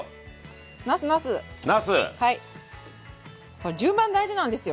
これ順番大事なんですよ。